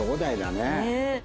ねえ。